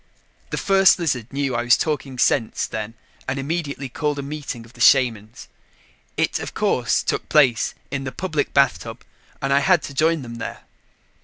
The First Lizard knew I was talking sense then and immediately called a meeting of the shamans. It, of course, took place in the public bathtub and I had to join them there.